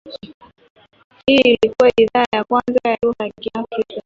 Hii ilikua idhaa ya kwanza ya lugha ya Kiafrika